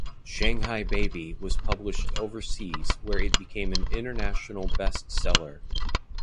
"Shanghai Baby" was published overseas where it became an international bestseller.